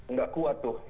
nggak kuat tuh